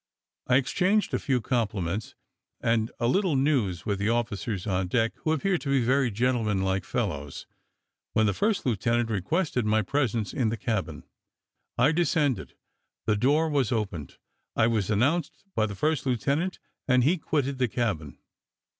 I exchanged a few compliments, and a little news with the officers on deck, who appeared to be very gentlemanlike fellows, when the first lieutenant requested my presence in the cabin. I descended the door was opened I was announced by the first lieutenant, and he quitted the cabin.